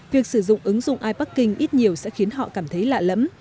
việc sử dụng ứng dụng iparking ít nhiều sẽ khiến họ cảm thấy lạ lẫm